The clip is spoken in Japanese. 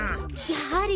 やはり！